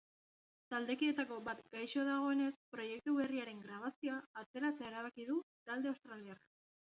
Taldekideetako bat gaixo dagoenez, proiektu berriaren grabazioa atzeratzea erabaki du talde australiarrak.